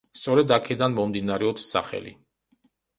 სწორედ აქედან მომდინარეობს სახელი.